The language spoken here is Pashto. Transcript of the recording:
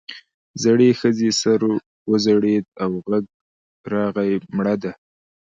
زړې ښځې سر وځړېد او غږ راغی مړه ده.